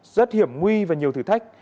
rất hiểm nguy và nhiều thử thách